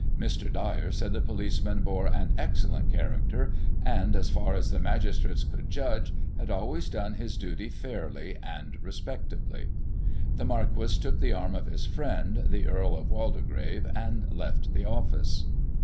Mr. Dyer said the policeman bore an excellent character, and, as far as the magistrates could judge, had always done his duty fairly and respectably. The Marquis took the arm of his friend, the Earl of Walde grave, and left the office.